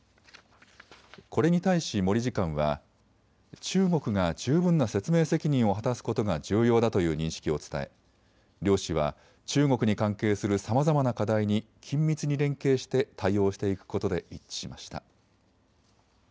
これに対し森次官は、中国が十分な説明責任を果たすことが重要だという認識を伝え両氏は中国に関係するさまざまな課題に緊密に連携して対応していくことで一致しました。